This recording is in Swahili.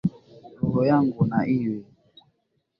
Roho yangu na iwe,